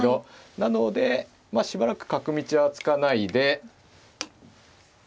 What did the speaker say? なのでまあしばらく角道は突かないで。